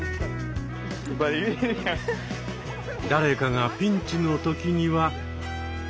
誰かがピンチの時には。